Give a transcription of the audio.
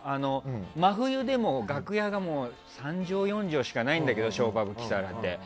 真冬でも楽屋が３畳、４畳しかないんだけどショーパブ、キサラって。